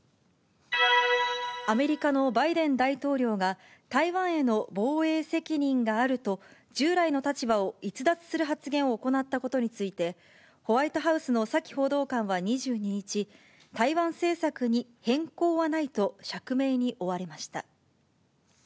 アメリカのバイデン大統領が、台湾への防衛責任があると、従来の立場を逸脱する発言を行ったことについて、ホワイトハウスのサキ報道官は２２日、台湾政策に変更はないと釈明に追われました。